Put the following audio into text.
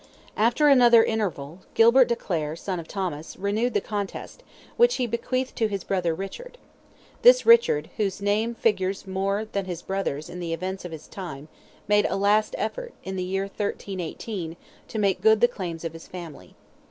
After another interval, Gilbert de Clare, son of Thomas, renewed the contest, which he bequeathed to his brother Richard. This Richard, whose name figures more than his brother's in the events of his time, made a last effort, in the year 1318, to make good the claims of his family.